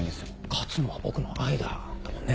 「勝つのは僕の愛だ」だもんね。